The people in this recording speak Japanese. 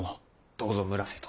どうぞ村瀬と。